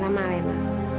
terima kasih alena